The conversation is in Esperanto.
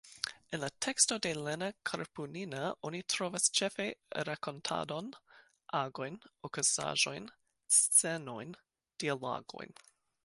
En la tekstoj de Lena Karpunina oni trovas ĉefe rakontadon, agojn, okazaĵojn, scenojn, dialogojn.